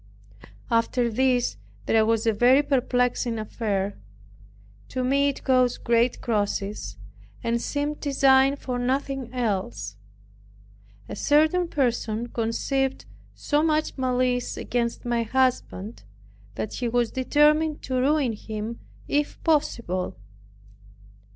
After this there was a very perplexing affair. To me it caused great crosses, and seemed designed for nothing else. A certain person conceived so much malice against my husband, that he was determined to ruin him if possible.